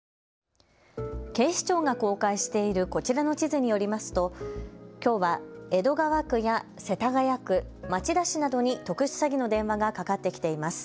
警視庁が公開しているこちらの地図によりますときょうは江戸川区や世田谷区、町田市などに特殊詐欺の電話がかかってきています。